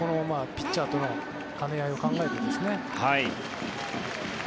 ピッチャーとの兼ね合いを考えてですね。